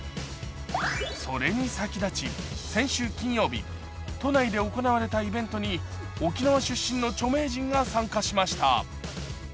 それに先立ち、先週金曜日都内で行われたイベントに沖縄出身の著名人が参加しました。